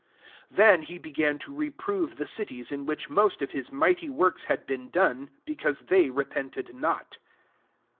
20 Then he began to reprove the cities in which most of his mighty works had been done, because they repented not.